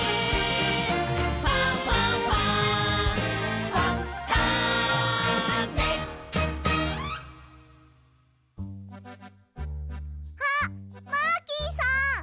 「ファンファンファン」あっマーキーさん！